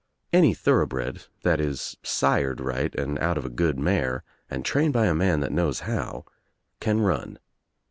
Any thorough bred, that is sired right and out of a good mare and trained by a man that knows how, can run.